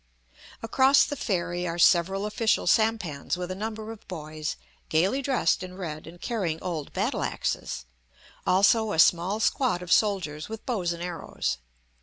Across the ferry are several official sampans with a number of boys gayly dressed in red and carrying old battle axes; also a small squad of soldiers with bows and arrows.